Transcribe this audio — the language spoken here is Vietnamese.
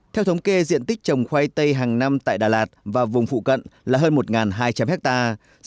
theo thống kê diện tích trồng khoai tây hàng năm tại đà lạt và vùng phụ cận là hơn một hai trăm linh hectare